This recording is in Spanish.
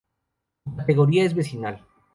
Su categoría es vecinal.